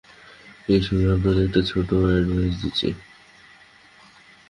এই সঙ্গে আপনাকে একটা ছোট্ট অ্যাডভাইস দিচ্ছি।